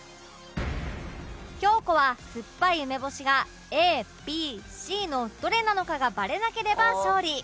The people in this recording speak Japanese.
京子は酸っぱい梅干しが ＡＢＣ のどれなのかがバレなければ勝利